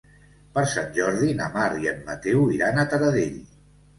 Per Sant Jordi na Mar i en Mateu iran a Taradell.